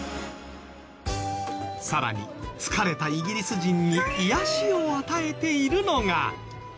さらに疲れたイギリス人に癒やしを与えているのが。